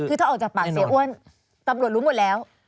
คือถ้าออกจากปากเสียอ้วนตำรวจรู้หมดแล้ว